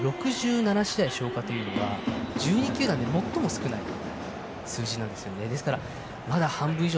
千葉ロッテマリーンズ実は６７試合消化というのは１２球団で最も少ない数字なんですよね。